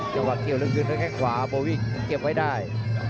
จังหวัดเกี่ยวแล้วคืนด้วยแค่งขวาโบวิ่งเก็บไว้ได้